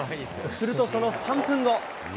すると、その３分後。